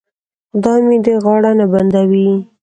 خدای مې دې غاړه نه بندوي.